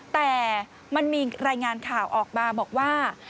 แต่มันมีรายงานข่าวออกมาบอกว่า